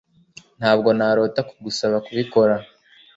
Ntabwo narota kugusaba kubikora